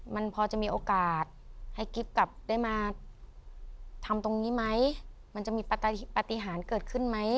มันพอจะมีโอกาสให้กิ๊บกลับได้มาทำตรงนี้ไหมมันจะมีปฏิหารเกิดขึ้นไหม